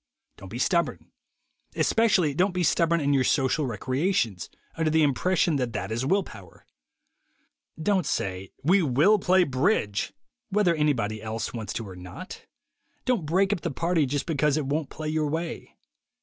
Don't be stubborn. Especially don't be stubborn in your social recreations, under the impression that that is will power. Don't say, "We will play bridge," whether anybody else wants to or not. Don't "break up the party" just because it won't play your way.